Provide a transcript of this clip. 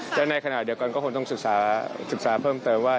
และในขณะเดียวกันก็คงต้องศึกษาเพิ่มเติมว่า